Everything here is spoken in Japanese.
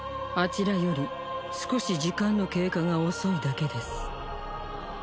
あちらより少し時間の経過が遅いだけです